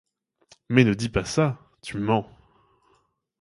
Mais ne dis pas ça, tu mens!